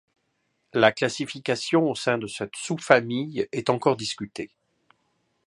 La classification au sein de cette sous-famille est encore discutée.